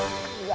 udah udah udah